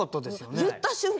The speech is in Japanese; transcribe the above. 言った瞬間